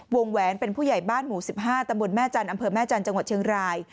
แหวนเป็นผู้ใหญ่บ้านหมู่๑๕ตำบลแม่จันทร์อำเภอแม่จันทร์จังหวัดเชียงราย